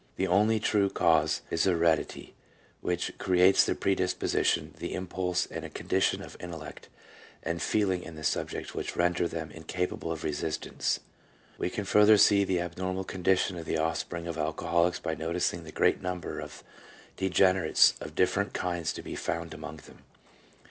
The only true cause is the heredity, which creates the predisposition, the impulse, and a condition of intellect and feeling in the subject which render him incapable of resistance." We can further see the abnormal condition of the offspring of alcoholics by noticing the great number of degenerates of different kinds to be found among them.